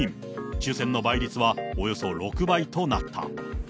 抽せんの倍率はおよそ６倍となった。